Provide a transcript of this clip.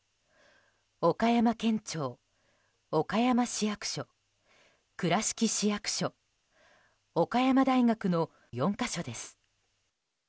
岡山県庁、岡山市役所倉敷市役所、岡山大学の４か所です。